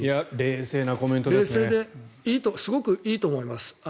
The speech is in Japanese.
冷静ですごくいいと思います。